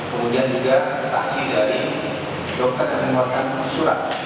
kemudian juga saksi dari dokter yang mengeluarkan surat